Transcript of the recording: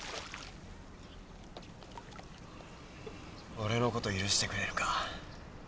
俺のこと許してくれるか？